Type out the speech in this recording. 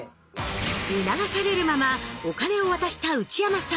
促されるままお金を渡した内山さん。